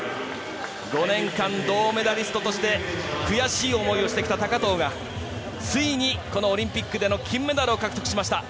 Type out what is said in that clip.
５年間、銅メダリストとして悔しい思いをしてきた高藤がついにこのオリンピックでの金メダル獲得しました。